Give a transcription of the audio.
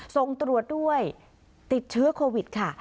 ส่งตรวจด้วยติดเชื้อโควิดค่ะ